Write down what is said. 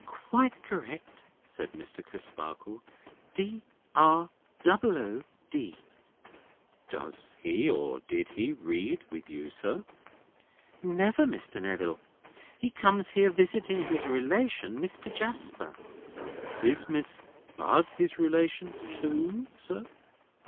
"Quite correct," said Mr. Crisparkle. "D r double o d." "Does he—or did he—read with you, sir?" "Never, Mr. Neville. He comes here visiting his relation, Mr. Jasper." "Is Miss Bud his relation too, sir?"